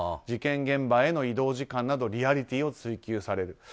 事件現場への移動時間などリアリティーを追求される。